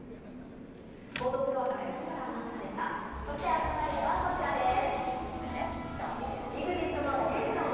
そして明日の「ラヴィット！」はこちらです。